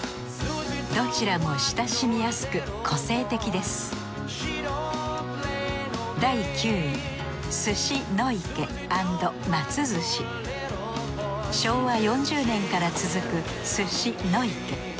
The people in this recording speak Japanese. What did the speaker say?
どちらも親しみやすく個性的です昭和４０年から続くすし乃池。